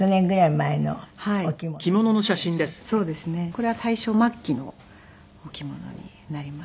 これは大正末期のお着物になります。